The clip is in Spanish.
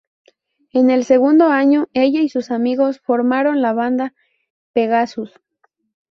En el segundo año ella y sus amigos formaron la banda Pegasus.